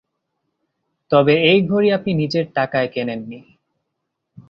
তবে এই ঘড়ি আপনি নিজের টাকায় কেনেন নি।